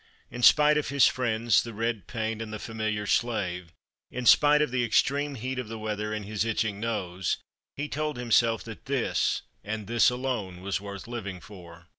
In spite of his friends, the red paint, and the familiar slave, in spite of the extreme heat of the weather and his itching nose, he told himself that this, and this alone, was worth living for.